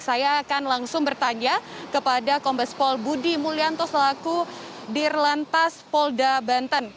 saya akan langsung bertanya kepada kombes pol budi mulyanto selaku dirlantas polda banten